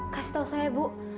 kasih tahu saya bu